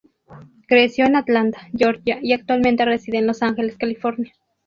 Creció en Atlanta, Georgia, y actualmente reside en Los Ángeles, California.